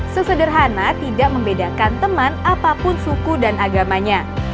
sesederhana tidak membedakan teman apapun suku dan agamanya